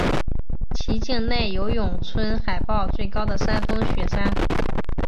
其境内有永春海报最高的山峰雪山。